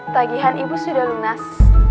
tagihan ibu sudah lunas